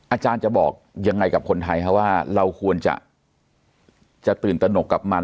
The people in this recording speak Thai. อาจารย์จะบอกยังไงกับคนไทยว่าเราควรจะตื่นตนกกับมัน